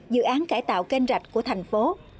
dự án cải tạo kênh rạch của thành phố